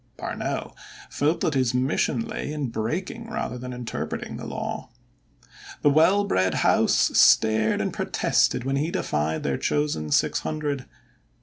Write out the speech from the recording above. Parnell felt that his mission lay in breaking rather than interpreting the law. The well bred House stared and protested when he defied their chosen six hundred.